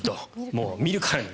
もう見るからに。